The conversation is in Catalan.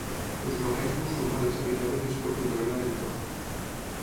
Els malais musulmans habitaven més profundament a l'entorn.